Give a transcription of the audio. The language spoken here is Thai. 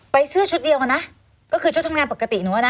เสื้อชุดเดียวกันนะก็คือชุดทำงานปกติหนูอะนะ